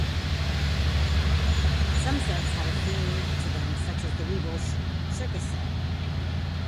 Some sets had a theme to them, such as the Weebles circus set.